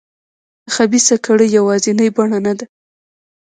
خبیثه کړۍ یوازینۍ بڼه نه ده.